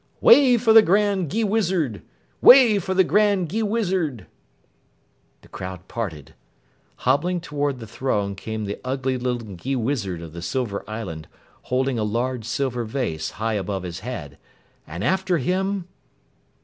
"Way for the Grand Gheewizard! Way for the Grand Gheewizard!" The crowd parted. Hobbling toward the throne came the ugly little Gheewizard of the Silver Island holding a large silver vase high above his head, and after him